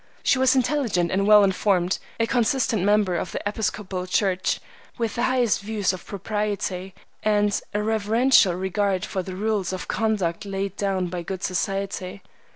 She was intelligent and well informed, a consistent member of the Episcopal Church, with the highest views of propriety and a reverential regard for the rules of conduct laid down by good society.